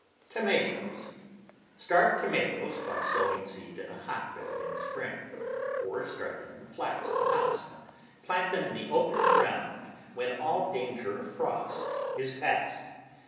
TOMATOES Start tomatoes by sowing seed in a hotbed in spring, or start them in fiats in the house and plant them in the open ground when all danger of frost is passed.